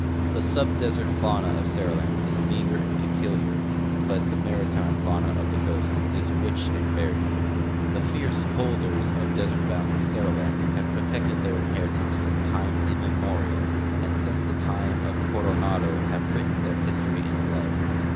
'I'he subdesert fauna of Seriland is meager and peculiar, but the maritime fauna of the coasts is rich and varied. The fierce holders of desert bouml Seriland have ]>rotected their inheritance from time immemorial, and since the time of Coronado have written their history in blood.